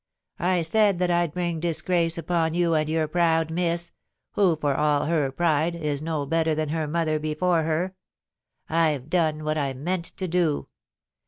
... I said that Fd bring disgrace upon you and your proud miss, who, for all her pride, is no better than her mother before her. I've done what I meant to do.